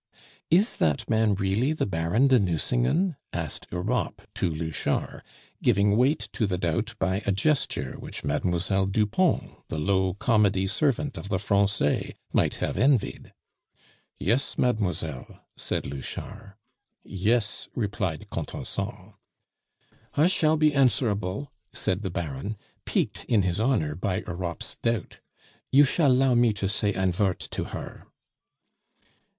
"Is that man really the Baron de Nucingen?" asked Europe to Louchard, giving weight to the doubt by a gesture which Mademoiselle Dupont, the low comedy servant of the Francais, might have envied. "Yes, mademoiselle," said Louchard. "Yes," replied Contenson. "I shall be answerable," said the Baron, piqued in his honor by Europe's doubt. "You shall 'llow me to say ein vort to her."